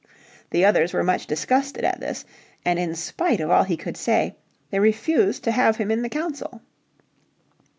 The others were much disgusted at this, and in spite of all he could say, they refused to have him in the council.